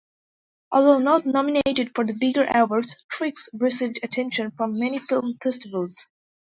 Although not nominated for the bigger awards, "Tricks" received attention from many film festivals.